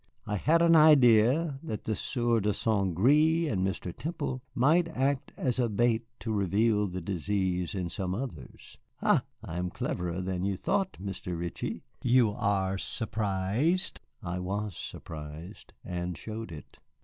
I had an idea that the Sieur de St. Gré and Mr. Temple might act as a bait to reveal the disease in some others. Ha, I am cleverer than you thought, Mr. Ritchie. You are surprised?" I was surprised, and showed it.